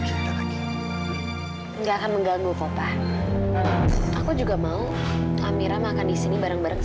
kamu di sini